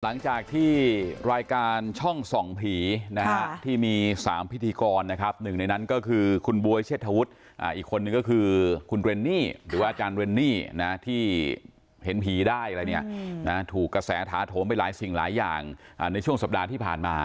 หลังจากที่รายการช่องส่องผีนะฮะที่มี๓พิธีกรนะครับหนึ่งในนั้นก็คือคุณบ๊วยเชษฐวุฒิอีกคนนึงก็คือคุณเรนนี่หรือว่าอาจารย์เรนนี่นะที่เห็นผีได้อะไรเนี่ยนะถูกกระแสถาโถมไปหลายสิ่งหลายอย่างในช่วงสัปดาห์ที่ผ่านมา